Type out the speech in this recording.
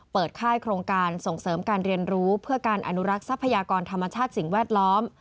ค่ายโครงการส่งเสริมการเรียนรู้เพื่อการอนุรักษ์ทรัพยากรธรรมชาติสิ่งแวดล้อม